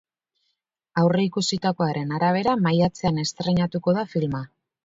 Aurreikusitakoaren arabera, maiatzean estreinatuko da filma.